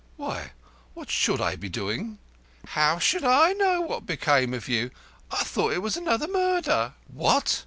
"Why, what should I be doing?" "How should I know what became of you? I thought it was another murder." "What!"